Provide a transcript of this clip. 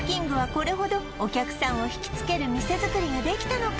これほどお客さんを惹きつける店作りができたのか？